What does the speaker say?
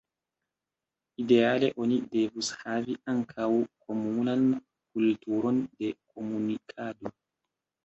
Ideale oni devus havi ankaŭ komunan kulturon de komunikado.